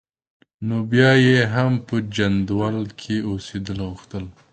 نو بیا یې هم په جندول کې اوسېدل غوره کړل.